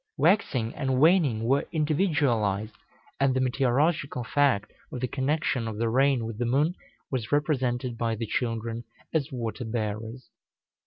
Waxing and waning were individualized, and the meteorological fact of the connection of the rain with the moon was represented by the children as water bearers.